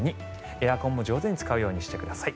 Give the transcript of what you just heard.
エアコンも上手に使うようにしてください。